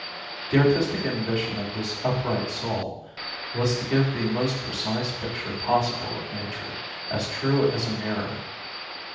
The artistic ambition of this upright soul was to give the most precise picture possible of nature, as true as a mirror.